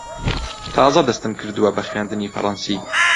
تازە دەستم کردووە بە خوێندنی فەڕەنسی.